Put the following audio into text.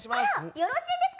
よろしいですか？